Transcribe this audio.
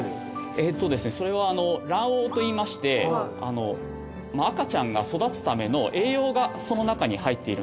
それは卵黄といいまして赤ちゃんが育つための栄養がその中に入っているんですね。